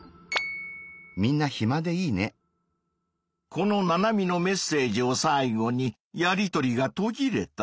このナナミのメッセージを最後にやり取りがとぎれた。